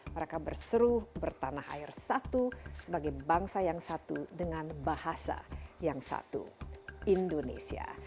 mereka berseru bertanah air satu sebagai bangsa yang satu dengan bahasa yang satu indonesia